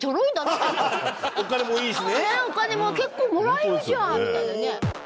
お金も結構もらえるじゃん！みたいなね。